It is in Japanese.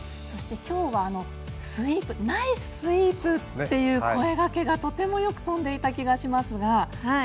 きょうはナイススイープっていう声がけがとてもよく飛んでいた気がしますが。